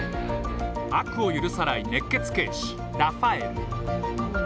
悪を許さない熱血警視ラファエル。